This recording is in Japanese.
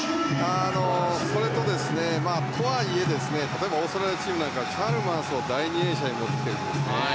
それと、とはいえ、例えばオーストラリアチームなんかはチャルマースを第２泳者に持ってきてるんですね。